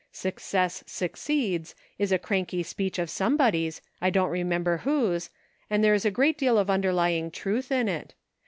' Success succeeds ' is a cranky speech of somebody's, I don't remember whose, and there is a great deal of underlying truth in it.